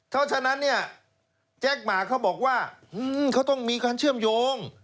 เพราะฉะนั้นเนี่ยแจ็คหมาเขาบอกว่าเขาต้องมีการเชื่อมโยง